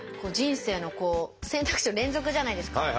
人生のこう選択肢の連続じゃないですか。